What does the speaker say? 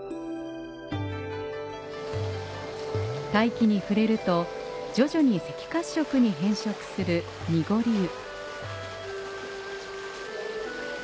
大気に触れると徐々に赤褐色に変色する、にごり湯。